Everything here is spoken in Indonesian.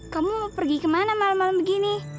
kamu mau pergi ke mana malam malam begini